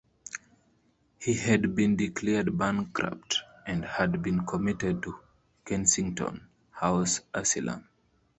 He had been declared bankrupt and had been committed to Kensington House Asylum.